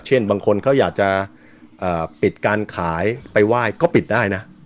บางคนเขาอยากจะปิดการขายไปไหว้ก็ปิดได้นะ